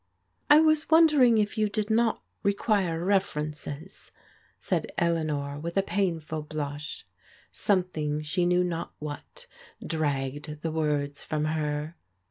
" I was wondering if you did not require references," said Eleanor with a painful blush. Something, she knew not what, dragged the words from her.